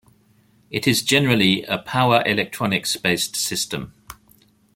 It is generally a power electronics-based system.